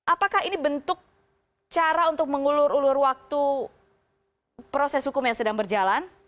apakah ini bentuk cara untuk mengulur ulur waktu proses hukum yang sedang berjalan